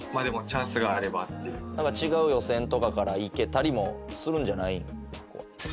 何か違う予選とかからいけたりもするんじゃないん？